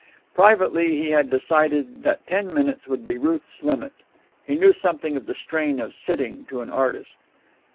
Privately he had decided that ten minutes would be Ruth's limit. He knew something of the strain of sitting to an artist.